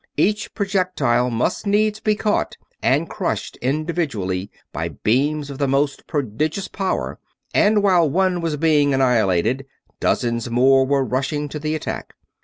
Each projectile must needs be caught and crushed individually by beams of the most prodigious power; and while one was being annihilated dozens more were rushing to the attack.